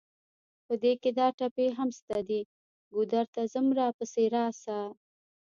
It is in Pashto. په دې کې دا ټپې هم شته چې: ګودر ته ځم راپسې راشه.